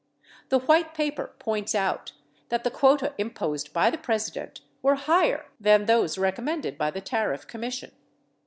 The White Paper points out that the quota imposed by the Presi dent were higher than those recommended by the Tariff Commission.